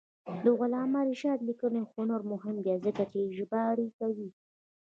د علامه رشاد لیکنی هنر مهم دی ځکه چې ژباړې کوي.